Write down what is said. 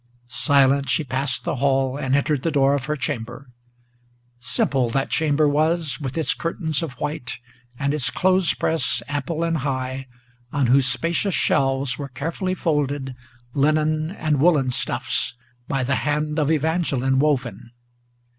Silent she passed the hall, and entered the door of her chamber. Simple that chamber was, with its curtains of white, and its clothes press Ample and high, on whose spacious shelves were carefully folded Linen and woollen stuffs, by the hand of Evangeline woven.